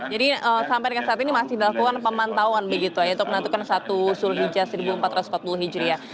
jadi sampai dengan saat ini masih dilakukan pemantauan begitu untuk menentukan satu zulhijjah seribu empat ratus empat puluh hijriah